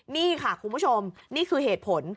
นี่ค่ะคุณผู้ชมนี่คือเหตุผล